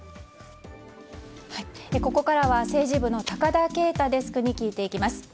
ここからは政治部の高田圭太デスクに聞いていきます。